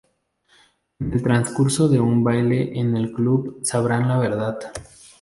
En el transcurso de un baile en el club, sabrán la verdad.